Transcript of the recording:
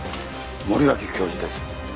森脇教授です。